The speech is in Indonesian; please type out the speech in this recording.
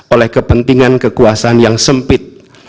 oleh kepentingan kekuasaan yang sempit